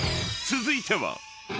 ［続いては］